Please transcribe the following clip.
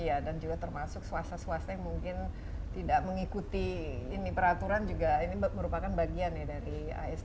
iya dan juga termasuk swasta swasta yang mungkin tidak mengikuti ini peraturan juga ini merupakan bagian ya dari asn